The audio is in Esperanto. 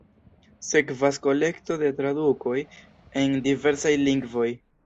Sekvas kolekto de tradukoj en diversaj lingvoj.